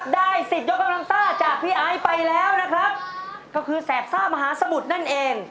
สิทธิ์ยกกำลังซ่าจากพี่ไอซ์ไปแล้วนะครับก็คือแสบซ่ามหาสมุทรนั่นเอง